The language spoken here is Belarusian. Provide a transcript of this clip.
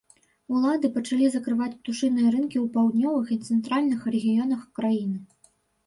Улады пачалі закрываць птушыныя рынкі ў паўднёвых і цэнтральных рэгіёнах краіны.